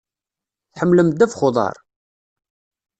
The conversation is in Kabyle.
Tḥemmlem ddabex n uḍaṛ?